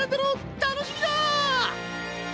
⁉楽しみだ！